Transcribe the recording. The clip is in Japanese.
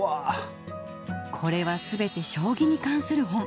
これは全て将棋に関する本。